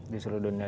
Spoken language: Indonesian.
di seluruh dunia